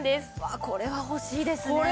わあこれは欲しいですね。